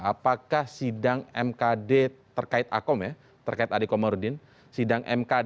apakah sidang mkd terkait akom ya terkait adi komarudin